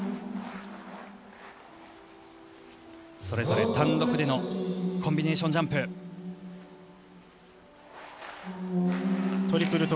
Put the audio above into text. それぞれ単独でのコンビネーションジャンプ。